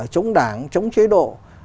chống đảng chống chế độ